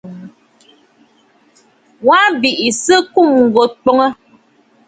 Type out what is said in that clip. Wa bɨ sɨ̀ ɨkum gho twoŋtə̀.